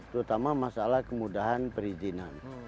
terutama masalah kemudahan perizinan